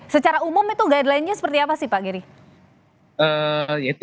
secara umum itu guidelinesnya seperti apa sih pak gary